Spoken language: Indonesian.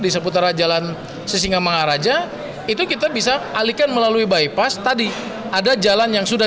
di seputar jalan sisingamangaraja itu kita bisa alihkan melalui bypass tadi ada jalan yang sudah